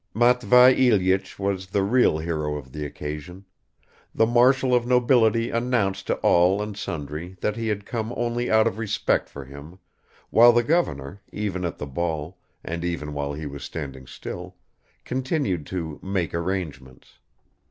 MATVEI Ilyich was the real hero of the occasion. The marshal of nobility announced to all and sundry that he had come only out of respect for him, while the governor, even at the ball, and even while he was standing still, continued to "make arrangements."